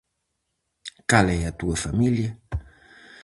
Cal é a túa familia?